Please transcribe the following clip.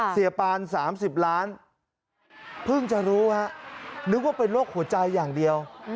ปาน๓๐ล้านเพิ่งจะรู้ฮะนึกว่าเป็นโรคหัวใจอย่างเดียว